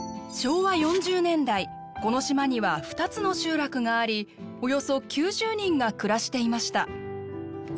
昭和４０年代この島には２つの集落がありおよそ９０人が暮らしていました。